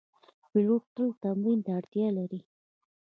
پیلوټ تل تمرین ته اړتیا لري.